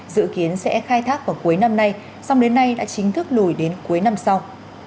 dự kiến sẽ khai thác vào cuối năm nay xong đến nay đã chính thức lùi đến cuối năm sau